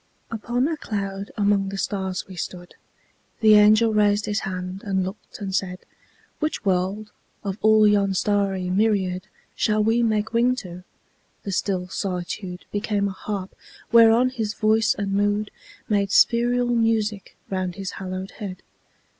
Upon a cloud among the stars we stood. The angel raised his hand and looked and said, "Which world, of all yon starry myriad Shall we make wing to?" The still solitude Became a harp whereon his voice and mood Made spheral music round his haloed head.